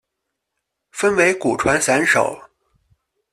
分为古传散手。